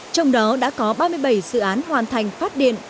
trong đó đã có ba mươi bảy dự án hoàn thành phát điện